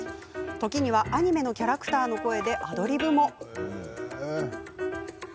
時にはアニメのキャラクターの声でアドリブも。